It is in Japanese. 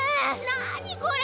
何これ？